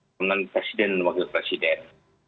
dengan presiden dan wakil presiden